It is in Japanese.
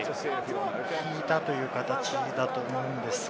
引いたという形だと思うんですが。